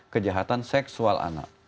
kejahatan seksual anak